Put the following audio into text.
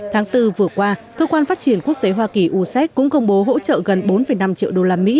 tháng bốn vừa qua cơ quan phát triển quốc tế hoa kỳ usec cũng công bố hỗ trợ gần bốn năm triệu đô la mỹ